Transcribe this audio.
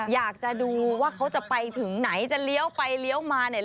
อยากจะดูว่าเขาจะไปถึงไหนจะเลี้ยวไปเลี้ยวมาเนี่ย